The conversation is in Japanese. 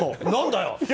何だよ！